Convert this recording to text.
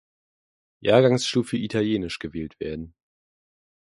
Jahrgangsstufe Italienisch gewählt werden.